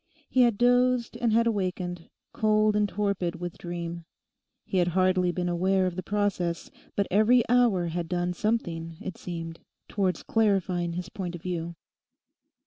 He had dozed and had awakened, cold and torpid with dream. He had hardly been aware of the process, but every hour had done something, it seemed, towards clarifying his point of view.